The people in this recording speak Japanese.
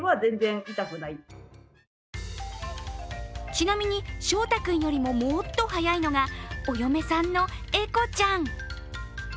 ちなみに笑大くんよりももっと速いのが、お嫁さんの笑子ちゃん。